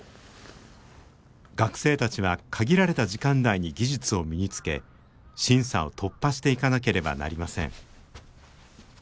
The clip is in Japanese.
学生たちは限られた時間内に技術を身につけ審査を突破していかなければなりません。